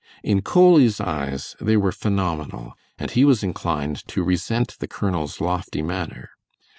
In Coley's eyes they were phenomenal, and he was inclined to resent the colonel's lofty manner.